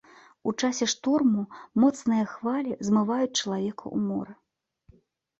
У часе шторму моцныя хвалі змываюць чалавека ў мора.